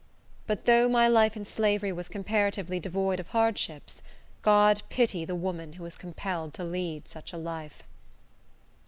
But though my life in slavery was comparatively devoid of hardships, God pity the woman who is compelled to lead such a life!